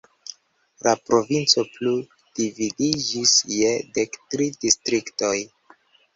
La provinco plu dividiĝis je dek tri distriktoj.